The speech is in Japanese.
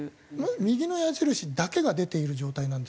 右の矢印だけが出ている状態なんですか？